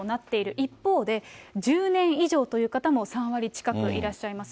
一方で、１０年以上という方も３割近くいらっしゃいます。